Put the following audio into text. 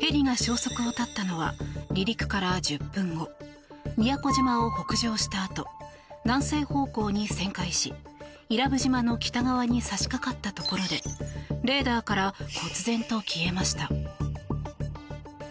ヘリが消息を絶ったのは離陸から１０分後宮古島を北上したあと南西方向に旋回し伊良部島の北側に差しかかったところでレーダーからこつぜんと消えました。